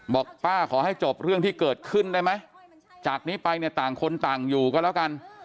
บอกป้าขอให้จบเรื่องที่เกิดขึ้นได้ไหมจากนี้ไปเนี่ยต่างคนต่างอยู่ก็แล้วกัน